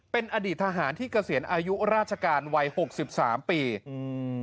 เป็นอดีตทหารที่เกษียณอายุราชการวัยหกสิบสามปีอืม